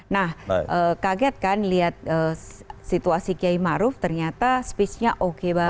nah kaget kan lihat situasi kiai maruf ternyata speechnya oke banget